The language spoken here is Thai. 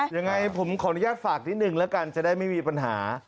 ยังไงผมขออนุญาตฝากนิดนึงแล้วกันจะได้ไม่มีปัญหา